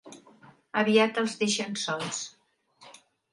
Aviat els deixen sols.